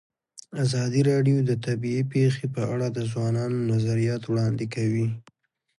ازادي راډیو د طبیعي پېښې په اړه د ځوانانو نظریات وړاندې کړي.